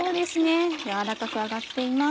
軟らかく揚がっています。